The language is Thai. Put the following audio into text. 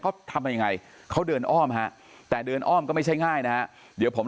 เขาทำยังไงเขาเดินอ้อมฮะแต่เดินอ้อมก็ไม่ใช่ง่ายนะฮะเดี๋ยวผม